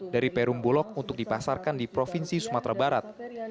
dari perum bulog untuk dipasarkan di provinsi sumatera barat